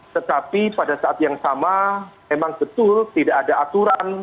tetapi pada saat yang sama memang betul tidak ada aturan